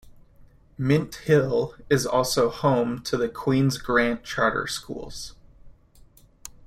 Mint Hill is also home to the Queens Grant Charter schools.